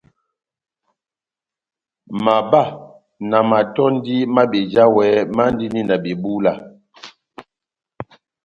Mabá na matɔ́ndi má bejawɛ mandini na bebúla.